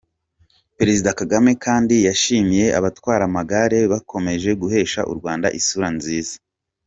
Perezida Kagame kandi yashimiye abatwara amagare bakomeje guhesha u Rwanda isura nziza.